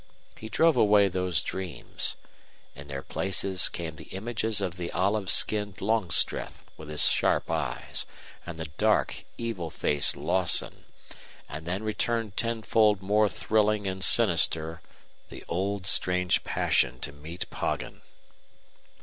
He drove away those dreams. In their places came the images of the olive skinned Longstreth with his sharp eyes, and the dark, evil faced Lawson, and then returned tenfold more thrilling and sinister the old strange passion to meet Poggin.